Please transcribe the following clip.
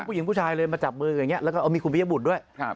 ผู้ชายเลยมาจับมืออย่างนี้แล้วก็เอามีคุณพิยบุตรด้วย